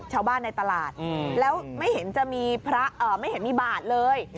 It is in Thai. ชาวบ้านในตลาดแล้วไม่เห็นจะมีพระไม่เห็นมีบาทเลย